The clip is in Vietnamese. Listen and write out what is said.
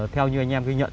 theo như anh em ghi nhận